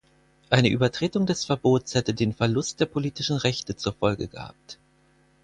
Eine Übertretung des Verbots hätte den Verlust der politischen Rechte zur Folge gehabt.